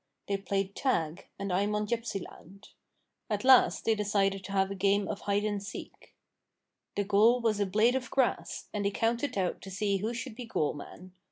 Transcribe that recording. They played tag, and I'm on gypsyland. At last they decided to have a game of hide and seek. The goal was a blade of grass, and they counted out to see who should be goal man.